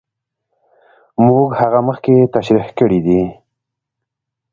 موږ هغه مخکې تشرېح کړې دي.